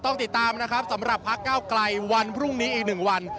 ต้องติดตามนะครับสำหรับพักเก้าไกลวันพรุ่งนี้อีก๑วัน